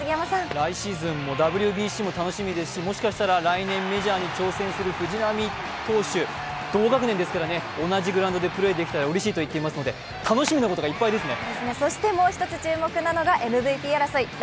来シーズンもＷＢＣも楽しみですしもしかしたら来年、メジャーに挑戦する藤浪投手、同学年ですからね、同じグラウンドでプレーできたらうれしいと言っていたので楽しみなことがいっぱいですね。